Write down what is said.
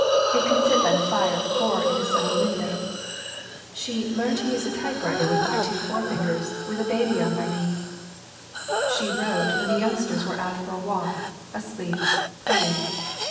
It can sit by the fire or in a sunny window." She "learned to use a typewriter with my two fore 56 THE WOMEN WHO MAKE OUR NOVELS fingers, with a baby on my knee!" She wrote when the youngsters were out for a walk, asleep, playing.